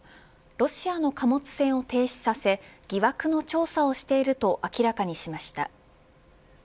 ロシアの貨物船を停止させ疑惑の調査をしていると明らかにしました。